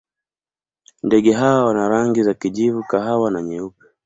Ndege hawa wana rangi za kijivu, kahawa na nyeupe.